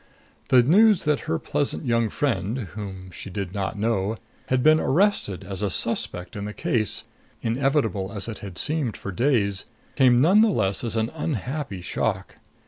The news that her pleasant young friend whom she did not know had been arrested as a suspect in the case, inevitable as it had seemed for days, came none the less as an unhappy shock.